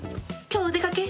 今日お出かけ？